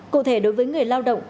cụ thể đối với người lao động